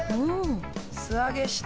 素揚げして。